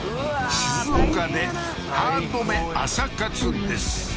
静岡でハード目朝活です